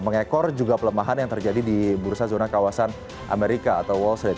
mengekor juga pelemahan yang terjadi di bursa zona kawasan amerika atau wall street